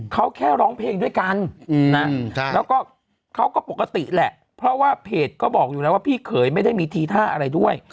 เขาก็ปกติแหละเพราะว่าเพจก็บอกอยู่แล้วว่าพี่เขยไม่ได้มีทีท่าอะไรด้วย